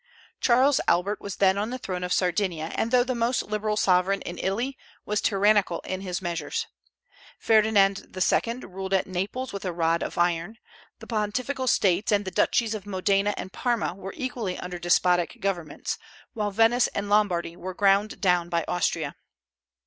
Charles Albert was then on the throne of Sardinia, and though the most liberal sovereign in Italy, was tyrannical in his measures. Ferdinand II. ruled at Naples with a rod of iron; the Pontifical States and the Duchies of Modena and Parma were equally under despotic governments, while Venice and Lombardy were ground down by Austria.